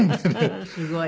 すごい。